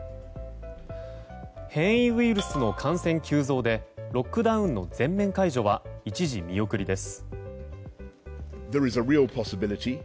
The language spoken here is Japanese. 変異ウイルスの感染急増でロックダウンの全面解除は一時見送りです。